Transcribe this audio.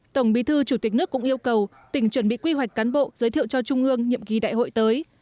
tổng bí thư chủ tịch nước cũng yêu cầu tỉnh chuẩn bị quy hoạch cán bộ giới thiệu cho trung ương nhiệm kỳ đại hội tới